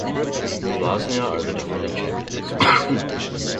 Vllaznia are the defending champions.